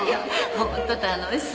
ホント楽しそう。